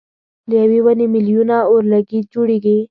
له یوې ونې مېلیونه اورلګیت جوړېږي.